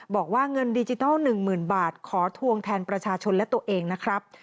บอกว่าเงินดิจิทัล๑๐๐๐บาทขอทวงแทนประชาชนและตัวเองนะครับ